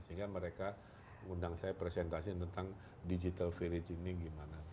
sehingga mereka undang saya presentasi tentang digital village ini gimana